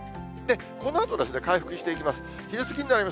このあと、回復していきます。